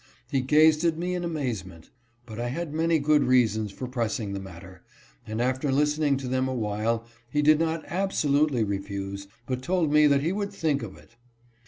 He gazed at me in amazement. But I had many good reasons for pressing the matter, and, after listening to them awhile, he did not absolutely refuse but told me that he would think of it.